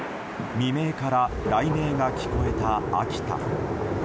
未明から雷鳴が聞こえた秋田。